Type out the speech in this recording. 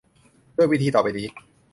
ด้วยวิธีต่อไปนี้